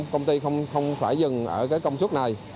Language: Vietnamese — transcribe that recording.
công ty không phải dừng ở công suất này